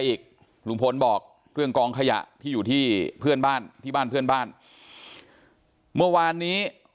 อีกลุงพลบอกเรื่องกองขยะที่อยู่ที่เพื่อนบ้านที่บ้านเพื่อนบ้านเมื่อวานนี้